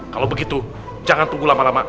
kalau begitu jangan tunggu lama lama